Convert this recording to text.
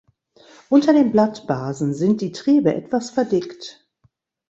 Unter den Blattbasen sind die Triebe etwas verdickt.